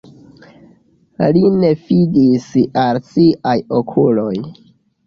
Li ne fidis al siaj okuloj.